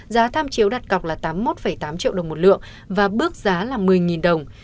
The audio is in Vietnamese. giá tham chiếu đặt cọc là tám mươi một tám triệu đồng một lượng và bước giá là một mươi đồng